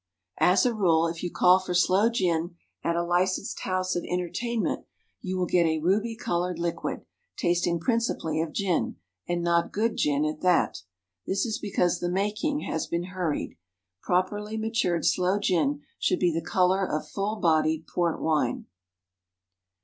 As a rule, if you call for sloe gin at a licensed house of entertainment, you will get a ruby coloured liquid, tasting principally of gin and not good gin "at that." This is because the making has been hurried. Properly matured sloe gin should be the colour of full bodied port wine.